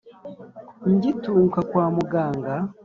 Ngitunguka kwa muganga